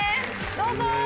どうぞ。